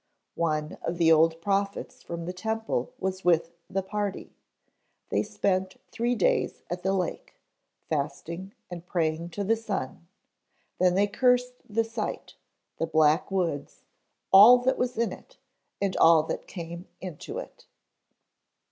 "One of the old prophets from the temple was with the party. They spent three days at the lake, fasting and praying to the sun, then they cursed the site, the Black Woods, all that was in it, and all that came into it.